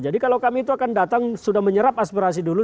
jadi kalau kami itu akan datang sudah menyerap aspirasi dulu